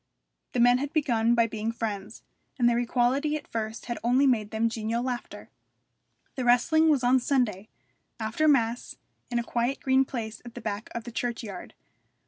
The men had begun by being friends, and their equality at first had only made them genial laughter. The wrestling was on Sunday, after mass, in a quiet green place at the back of the churchyard.